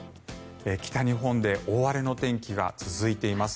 北日本で大荒れの天気が続いています。